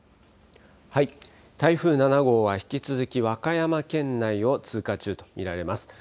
台風７号は引き続き和歌山県内を通過中と見られます。